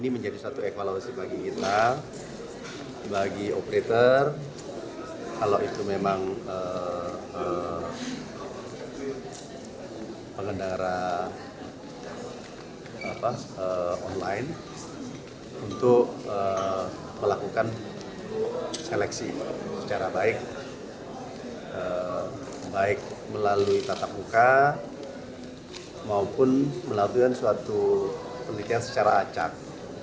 secara baik baik melalui tatap muka maupun melalui suatu penelitian secara acak